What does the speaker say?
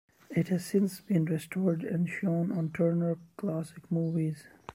It has since been restored and shown on Turner Classic Movies.